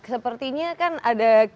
sepertinya kan ada kelebihan